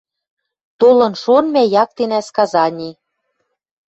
Толын шон мӓ яктенӓ сказани